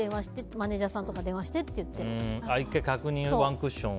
マネジャーさんとかに電話してって。